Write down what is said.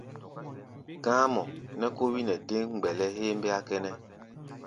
Gá̧á̧mɔ nɛ́ kó wí nɛ dé mgbɛlɛ héémbéá kʼɛ́nɛ́.